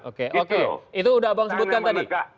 oke oke itu udah bang sebutkan tadi